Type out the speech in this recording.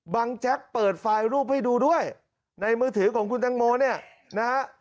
แจ๊กเปิดไฟล์รูปให้ดูด้วยในมือถือของคุณตังโมเนี่ยนะฮะ